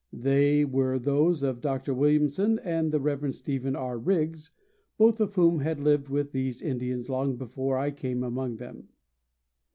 They were those of Dr. Williamson and the Rev. Stephen R. Riggs, both of whom had lived with these Indians long before I came among them.